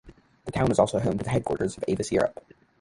The town is also home to the headquarters of Avis Europe.